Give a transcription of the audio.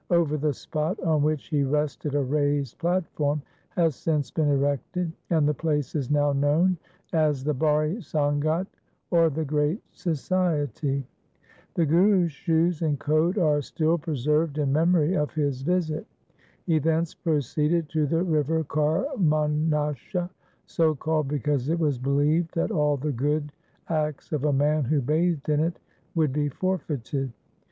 Over the spot on which he rested a raised platform has since been erected, and the place is now known at the Bari Sangat or the Great Society. The Guru's shoes and coat are still preserved in memory of his visit. He thence proceeded to the river Karmnasha, so called because it was believed that all the good acts of a man who bathed in it would be forfeited.